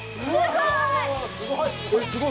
すごーい！